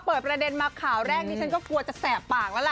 เปิดประเด็นมาข่าวแรกนี้ฉันก็กลัวจะแสบปากแล้วล่ะ